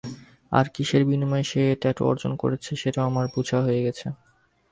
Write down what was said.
আর কিসের বিনিময়ে সে এই ট্যাটু অর্জন করেছে সেটাও আমার বুঝা হয়ে গেছে।